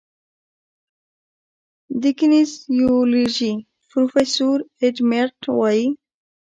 د کینیزیولوژي پروفیسور ایډ میرټ وايي